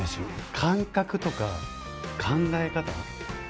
感覚とか考え方捉え方。